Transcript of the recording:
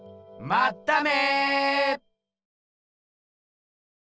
まっため！